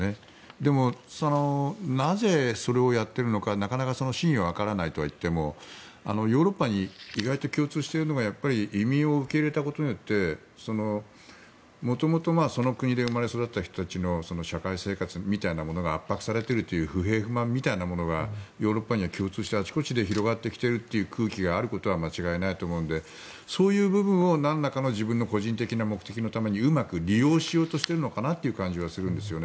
でも、なぜそれをやっているのかなかなか真意は分からないとはいってもヨーロッパに意外と共通しているのがやっぱり移民を受け入れたことによってもともとその国で生まれ育った人たちの社会生活みたいなものが圧迫されているという不平不満みたいなものがヨーロッパに共通してあちこちで広がってきている空気があることは間違いないと思うのでそういう部分を何らかの個人的な自分の目的のためにうまく利用している感じはするんですよね。